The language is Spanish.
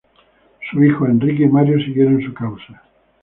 Sus hijos Enrique y Mario siguieron su causa.